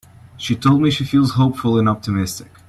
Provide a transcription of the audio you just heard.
She told me she feels hopeful and optimistic.